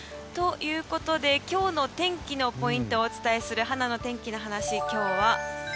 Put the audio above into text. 今日の天気のポイントをお伝えするはなの天気のはなし。